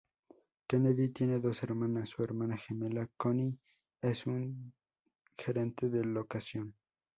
Kennedy tiene dos hermanas; su hermana gemela Connie es un gerente de locación.